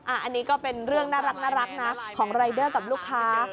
อันนี้ก็เป็นเรื่องน่ารักนะของรายเดอร์กับลูกค้า